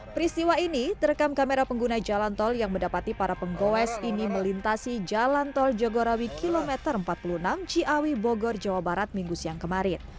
peristiwa ini terekam kamera pengguna jalan tol yang mendapati para penggoes ini melintasi jalan tol jagorawi kilometer empat puluh enam ciawi bogor jawa barat minggu siang kemarin